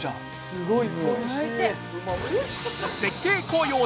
すごい。